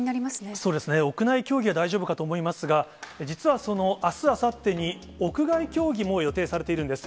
そうですね、屋内競技は大丈夫かと思いますが、実は、そのあす、あさってに、屋外競技も予定されているんです。